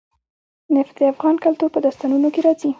نفت د افغان کلتور په داستانونو کې راځي.